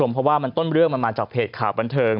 เพราะว่ามันต้นเรื่องมันมาจากเพจข่าวบันเทิง